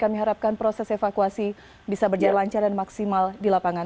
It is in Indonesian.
kami harapkan proses evakuasi bisa berjalan lancar dan maksimal di lapangan